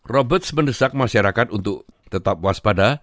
roberts mendesak masyarakat untuk tetap waspada